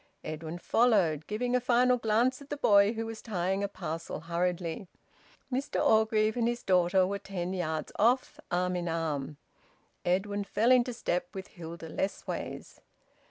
Edwin followed, giving a final glance at the boy, who was tying a parcel hurriedly. Mr Orgreave and his daughter were ten yards off, arm in arm. Edwin fell into step with Hilda Lessways.